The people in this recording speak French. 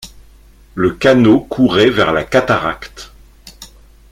Le canot courait vers la cataracte.